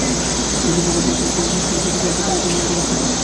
গুটিপোকার মত আপনিই আপনার চারিদিকে গুটি নির্মাণ করিয়াছেন।